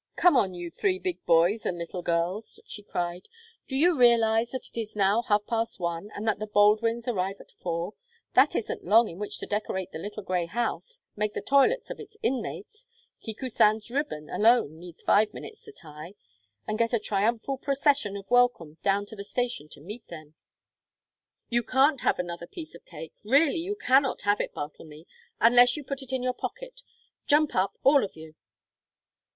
"Come on, you three big boys and little girls," she cried. "Do you realize that it is now half past one, and that the Baldwins arrive at four? That isn't long in which to decorate the little grey house, make the toilets of its inmates Kiku san's ribbon alone needs five minutes to tie and get a triumphal procession of welcome down to the station to meet them. You can't have another piece of cake, really you cannot have it, Bartlemy unless you put it in your pocket. Jump up, all of you!"